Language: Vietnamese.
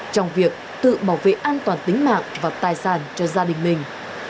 trong việc tự bảo vệ an toàn tính mạng và tài sản cho gia đình mình